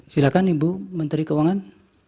silakan ibu menteri keuangan